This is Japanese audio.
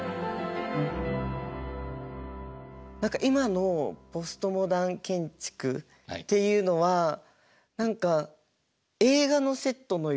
何か今のポストモダン建築っていうのは何か映画のセットのような。